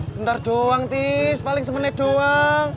bentar doang tis paling semenit doang